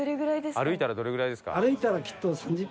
歩いたらどれぐらいですか？